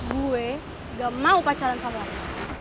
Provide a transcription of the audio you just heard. gue gak mau pacaran sama aku